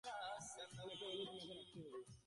এখন আমার একটি অনুরোধ তোমাকে রাখতেই হবে।